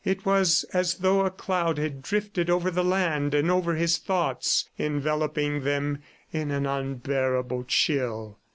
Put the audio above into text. It was as though a cloud had drifted over the land and over his thoughts, enveloping them in an unbearable chill.